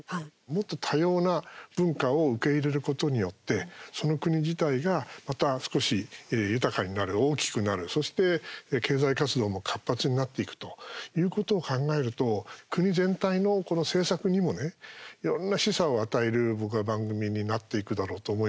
もっと多様な文化を受け入れることによってその国自体がまた少し豊かになる大きくなる、そして経済活動も活発になっていくということを考えると、国全体の政策にもねいろんな示唆を与える僕は番組になっていくだろうと思います。